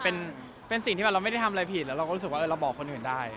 เป็นสิ่งที่แบบเราไม่ได้ทำอะไรผิดแล้วเราก็รู้สึกว่าเราบอกคนอื่นได้